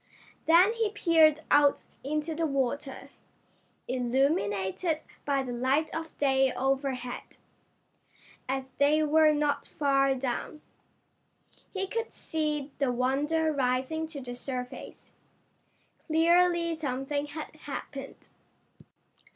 Then he peered out into the water, illuminated by the light of day overhead, as they were not far down. He could see the Wonder rising to the surface. Clearly something had happened.